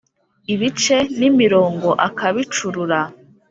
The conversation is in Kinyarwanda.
ibice n'imirongo akabicurura,